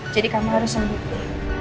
jadi kamu harus sembuh